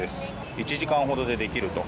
１時間ほどでできると。